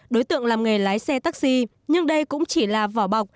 đối tượng làm nghề lái xe taxi nhưng đây cũng chỉ là vỏ bọc